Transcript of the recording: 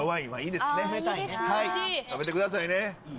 食べてくださいね。